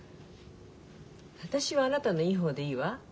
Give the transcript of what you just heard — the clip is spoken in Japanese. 私はあなたのいい方でいいわ。